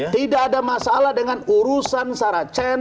tidak ada masalah dengan urusan saracen